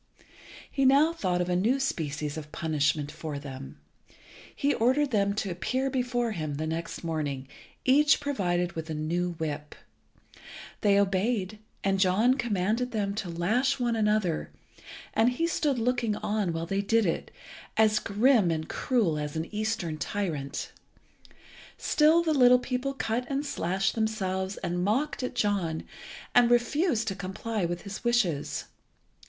He now thought of a new species of punishment for them. He ordered them to appear before him next morning, each provided with a new whip. They obeyed, and John commanded them to lash one another, and he stood looking on while they did it, as grim and cruel as an Eastern tyrant. Still the little people cut and slashed themselves and mocked at John, and refused to comply with his wishes.